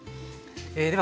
では